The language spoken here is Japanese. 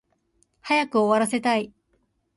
早く終わらせたい